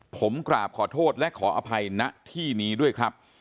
ผมกราบขอโทษและขออภัยณที่นี้ด้วยครับ